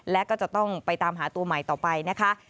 และก็จะต้องไปตามหาตัวใหม่ต่อไปนะคะ